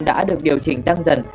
đã được điều chỉnh tăng dần